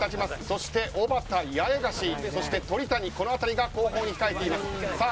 そして、おばた、八重樫、鳥谷この辺りが後方に控えています。